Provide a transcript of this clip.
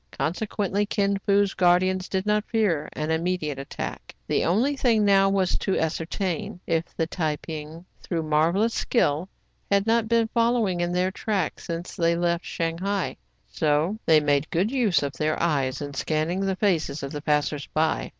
Consequently, Kin Fo's guardians did not fear an immediate attack. The only thing now was to ascertain if the Tai ping, through marvellous skill, had not been following in their track since they left .Shanghai, so they made good use of their eyes in scanning the faces of the passers by.